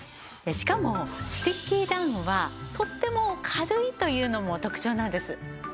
しかもスティッキーダウンはとっても軽いというのも特長なんです。